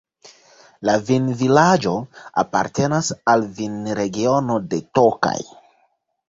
La vinvilaĝo apartenas al vinregiono de Tokaj.